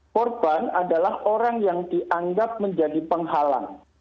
korban adalah orang yang dianggap menjadi penghalang